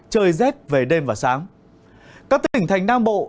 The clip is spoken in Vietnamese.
trời rét về đêm và sáng các tỉnh thành nam bộ